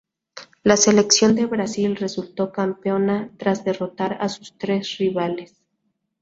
La selección de Brasil resultó campeona tras derrotar a sus tres rivales.